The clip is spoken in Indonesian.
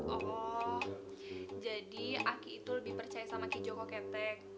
oh jadi aki itu lebih percaya sama kijoko ketek